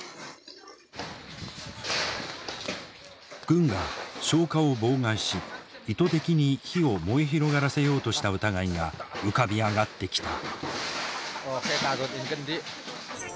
軍が消火を妨害し意図的に火を燃え広がらせようとした疑いが浮かび上がってきた。